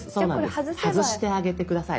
外してあげて下さい。